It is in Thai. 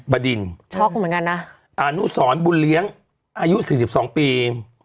บดินช็อกเหมือนกันนะอานุสรบุญเลี้ยงอายุ๔๒ปี